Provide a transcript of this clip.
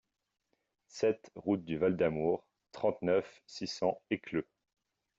sept route du Val d'Amour, trente-neuf, six cents, Écleux